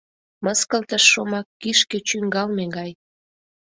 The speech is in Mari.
Мыскылтыш шомак кишке чӱҥгалме гай.